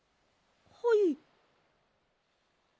はい。